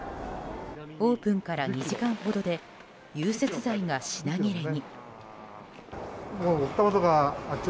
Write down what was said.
オープンから２時間ほどで融雪剤が品切れに。